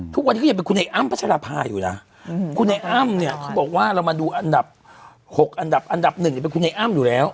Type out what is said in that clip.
ทุกวันนี้เขาจะเป็นคุณไอ้อ้ำประชาภาอยู่นะคุณไอ้อ้ำเขาบอกว่าเรามาดูอันดับ๖อันดับ๑จะเป็นคุณไอ้อ้ำอยู่แล้ว